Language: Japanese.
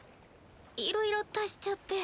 いろいろ足しちゃって。